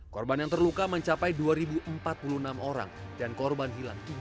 korban yang terluka mencapai dua ribu empat puluh enam orang dan korban hilang tiga puluh sembilan orang